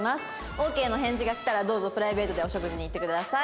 オーケーの返事が来たらどうぞプライベートでお食事に行ってください。